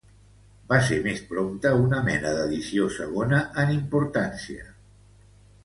Va ser més prompte una mena d'edició segona en importància.